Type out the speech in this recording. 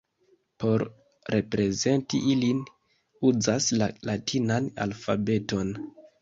Por reprezenti ilin, uzas la latinan alfabeton.